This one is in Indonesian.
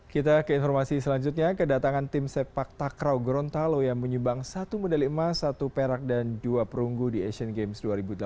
kita ke informasi selanjutnya kedatangan tim sepak takraw gorontalo yang menyumbang satu medali emas satu perak dan dua perunggu di asian games dua ribu delapan belas